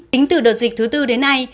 tính từ đợt dịch thứ bốn đến nay